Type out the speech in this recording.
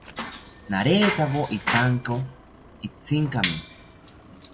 Naretawo ipanko itzinkami